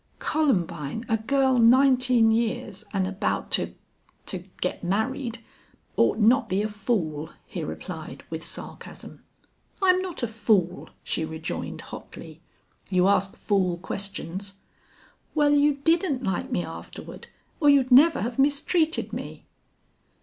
"Columbine, a girl nineteen years and about to to get married ought not be a fool," he replied, with sarcasm. "I'm not a fool," she rejoined, hotly. "You ask fool questions." "Well, you didn't like me afterward or you'd never have mistreated me."